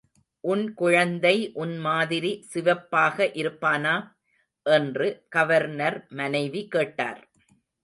உன் குழந்தை உன் மாதிரி சிவப்பாக இருப்பானா? என்று கவர்னர் மனைவி கேட்டார்.